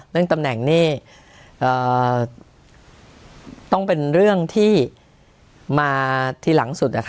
เรื่องตำแหน่งนี่ต้องเป็นเรื่องที่มาทีหลังสุด